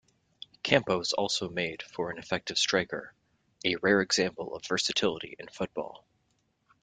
Campos also made for an effective striker, a rare example of versatility in football.